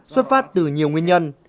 xuất phát từ nhiều nguyên nhân